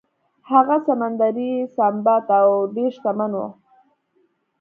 هغه سمندري سنباد و او ډیر شتمن و.